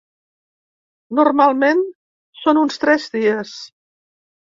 Normalment són uns tres dies.